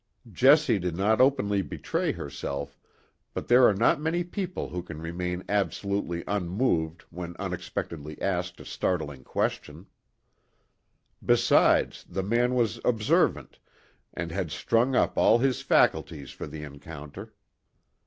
Jessie did not openly betray herself, but there are not many people who can remain absolutely unmoved when unexpectedly asked a startling question. Besides, the man was observant, and had strung up all his faculties for the encounter.